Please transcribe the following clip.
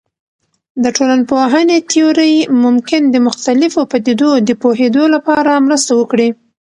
د ټولنپوهنې تیورۍ ممکن د مختلفو پدیدو د پوهیدو لپاره مرسته وکړي.